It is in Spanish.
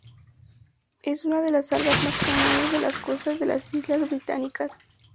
Es una de las algas más comunes de las costas de las Islas Británicas.